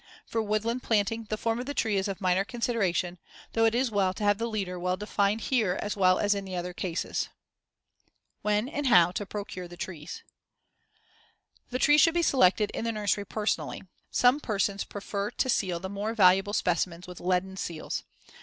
For woodland planting, the form of the tree is of minor consideration, though it is well to have the leader well defined here as well as in the other cases. See Fig. 95. When and how to procure the trees: The trees should be selected in the nursery personally. Some persons prefer to seal the more valuable specimens with leaden seals.